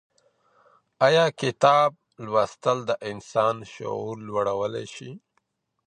آيا کتاب لوستل د انسان شعور لوړولی سي؟